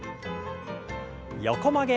横曲げ。